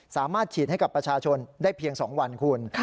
สามารถฉีดให้กับประชาชนได้เพียง๒วันคุณ